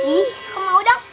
ih kamu mau dong